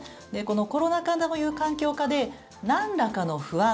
コロナ禍という環境下でなんらかの不安